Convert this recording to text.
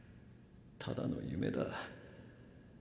ただの夢だ。